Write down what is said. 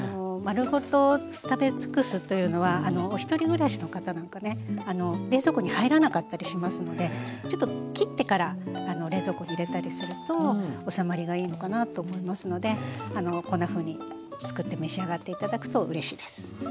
丸ごと食べ尽くすというのはお一人暮らしの方なんかね冷蔵庫に入らなかったりしますのでちょっと切ってから冷蔵庫に入れたりすると収まりがいいのかなと思いますのでこんなふうに作って召し上がって頂くとうれしいです。